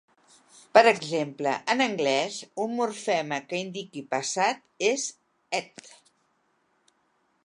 Per exemple, en anglès, un morfema que indiqui passat és "-ed".